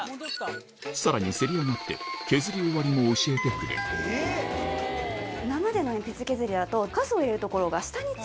さらにせり上がって削り終わりも教えてくれる今までの鉛筆削りだと。